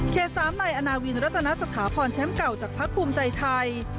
๓นายอนาวินรัตนสถาพรแชมป์เก่าจากพักภูมิใจไทย